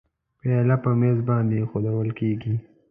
پیاله په میز باندې اېښوول کېږي.